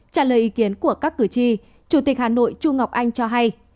trả lời ý kiến của các cử tri chủ tịch hà nội chu ngọc anh cho hay